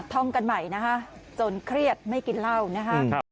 ท่องกันใหม่นะคะจนเครียดไม่กินเหล้านะคะ